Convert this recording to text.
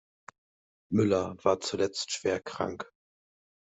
Müller war zuletzt schwer krank.